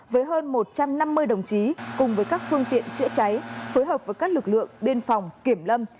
với hơn một trăm năm mươi đồng chí cùng với các phương tiện chữa cháy phối hợp với các lực lượng biên phòng kiểm lâm